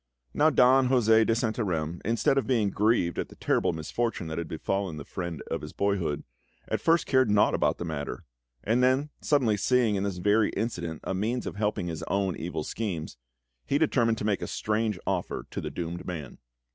Now Don José de Santarem, instead of being grieved at the terrible misfortune that had befallen the friend of his boyhood, at first cared naught about the matter; and then, suddenly seeing in this very incident a means of helping on his own evil schemes, he determined to make a strange offer to the doomed man.